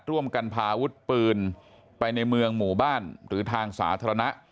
ร่วมกันพาอาวุธปืนไปในเมืองหมู่บ้านหรือทางสาธารณะ